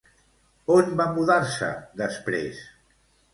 On va mudar-se després?